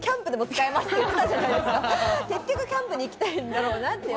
結局、キャンプに行きたいんだろうなっていう。